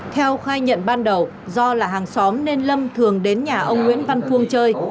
theo khai nhận ban đầu do là hàng xóm nên lâm thường đến nhà ông nguyễn văn phuông chơi